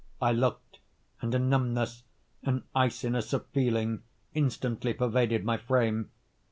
I looked;—and a numbness, an iciness of feeling instantly pervaded my frame.